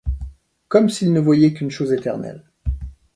Comme s’il ne voyait qu’une chose éternelle.